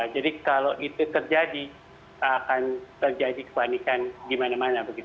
jadi kalau itu terjadi akan terjadi kepanikan gimana mana